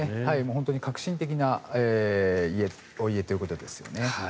本当に革新的なお家ということですよね。